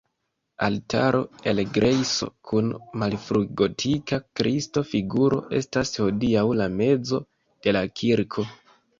Altaro el grejso kun malfrugotika Kristo-figuro estas hodiaŭ la mezo de la kirko.